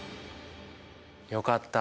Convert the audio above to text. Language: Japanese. よかった。